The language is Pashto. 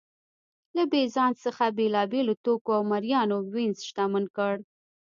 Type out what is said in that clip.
له بېزانس څخه بېلابېلو توکو او مریانو وینز شتمن کړ